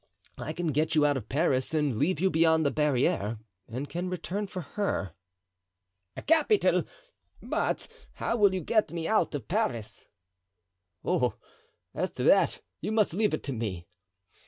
I can get you out of Paris and leave you beyond the barriere, and can return for her." "Capital; but how will you get me out of Paris?" "Oh! as to that, you must leave it to me."